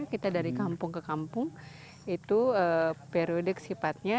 kita dari kampung ke kampung itu periode sifatnya